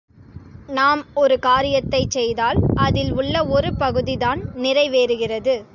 நாம் ஒரு காரியத்தைச் செய்தால் அதில் உள்ள ஒரு பகுதி தான் நிறைவேறுகிறது.